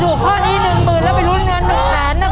ถูกข้อนี้หนึ่งหมื่นแล้วไปรุ้นเงินหนึ่งแค่นนะครับ